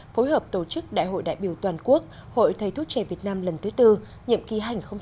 phối hợp tổ chức đại hội đại biểu toàn quốc hội thầy thuốc trẻ việt nam lần thứ tư nhiệm kỳ hai nghìn hai mươi hai nghìn hai mươi năm